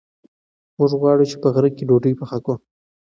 موږ غواړو چې په غره کې ډوډۍ پخه کړو.